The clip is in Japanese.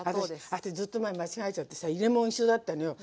私ずっと前間違えちゃってさ入れもん一緒だったのよ。